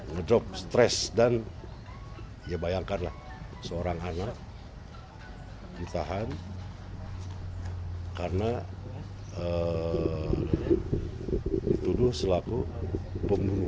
ngedrop stres dan ya bayangkanlah seorang anak ditahan karena dituduh selaku pembunuh